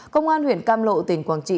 công an huyện cam lộ tỉnh quảng trị